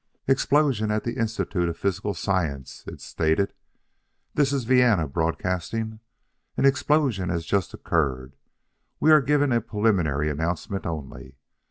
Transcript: "Explosion at the Institute of Physical Science!" it stated. "This is Vienna broadcasting. An explosion has just occurred. We are giving a preliminary announcement only.